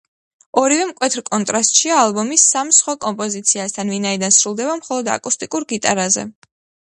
ორივე მკვეთრ კონტრასტშია ალბომის სამ სხვა კომპოზიციასთან, ვინაიდან სრულდება მხოლოდ აკუსტიკურ გიტარაზე.